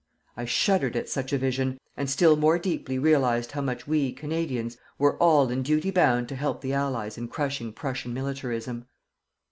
I shuddered at such a vision, and still more deeply realized how much we, Canadians, were all in duty bound to help the Allies in crushing Prussian militarism.